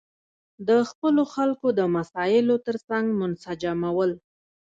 د خپلو خلکو د مسایلو ترڅنګ منسجمول.